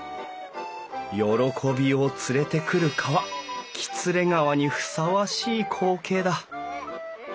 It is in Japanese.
喜びを連れてくる川喜連川にふさわしい光景だ